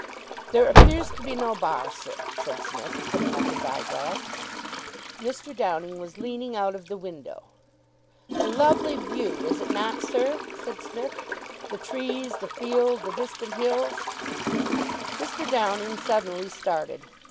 "There appears to be no bar, sir," said Psmith, putting up his eyeglass. Mr Downing was leaning out of the window. "A lovely view, is it not, sir?" said Psmith. "The trees, the field, the distant hills " Mr. Downing suddenly started.